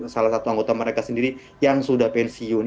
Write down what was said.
salah satu anggota mereka sendiri yang sudah pensiun